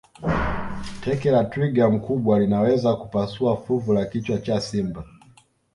teke la twiga mkubwa linaweza kupasua fuvu la kichwa cha simba